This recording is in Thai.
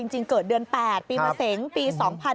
จริงเกิดเดือน๘ปีเมษังปี๒๔๔๐